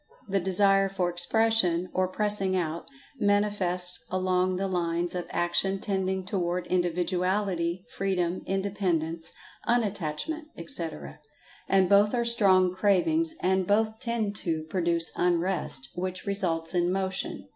The Desire for Expression (or pressing out) manifests along the lines of action tending toward Individuality, Freedom, Independence, Unattachment, etc. And both are strong cravings—and both tend to produce Unrest, which results in Motion.